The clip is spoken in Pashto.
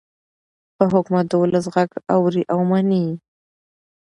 ښه حکومت د ولس غږ اوري او مني.